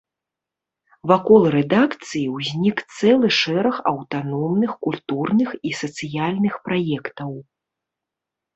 Вакол рэдакцыі ўзнік цэлы шэраг аўтаномных культурных і сацыяльных праектаў.